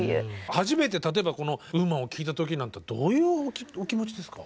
初めて例えばこの「Ｗｏｍａｎ」を聴いた時はどういうお気持ちですか？